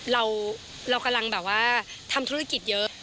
เรากำลังแบบว่าทำธุรกิจเยอะ